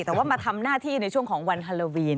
แต่ว่ามาทำหน้าที่ในช่วงของวันฮาโลวีน